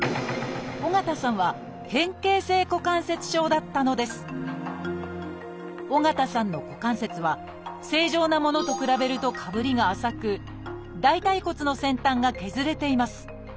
緒方さんは緒方さんの股関節は正常なものと比べるとかぶりが浅く大腿骨の先端が削れています。